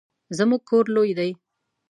زموږ کور لوی دی